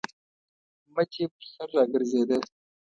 مچ يې پر سر راګرځېده.